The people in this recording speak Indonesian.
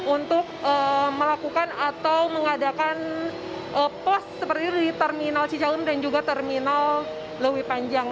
untuk melakukan atau mengadakan pos seperti itu di terminal cicalem dan juga terminal lewi panjang